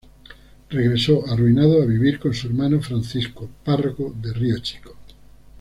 Regresó, arruinado, a vivir con su hermano Francisco, párroco de Río Chico.